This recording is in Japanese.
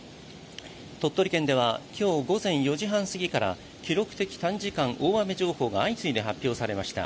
鳥取県では今日午前４時半すぎから記録的短時間大雨情報が相次いで発表されました。